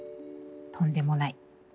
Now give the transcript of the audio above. とんでもない。